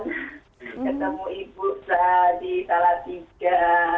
ketemu ibu di salatiga